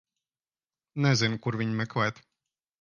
Nezinu, kur viņu meklēt.